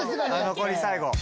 残り最後。